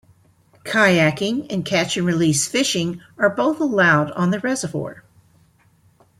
Kayaking and catch-and-release fishing are both allowed on the reservoir.